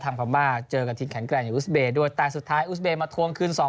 ทำภามาร์เจอกับทิศแข็งแกร่งอยู่อุศเบย์โดยแต่สุดท้ายอุศเบย์มาทวงคืนสอง